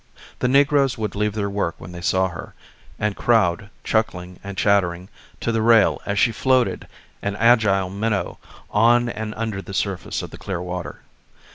The negroes would leave their work when they saw her, and crowd, chuckling and chattering, to the rail as she floated, an agile minnow, on and under the surface of the clear water.